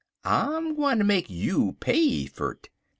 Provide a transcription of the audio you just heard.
'I'm gwineter make you pay fer't.